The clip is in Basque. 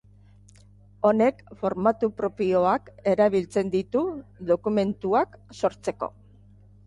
Honek formatu propioak erabiltzen ditu dokumentuak sortzeko.